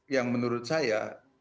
yang menurut saya